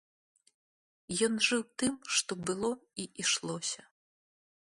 Ён жыў тым, што было і ішлося.